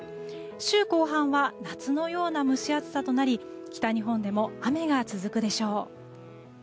週後半は夏のような蒸し暑さとなり北日本でも雨が続くでしょう。